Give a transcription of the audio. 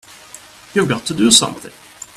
You've got to do something!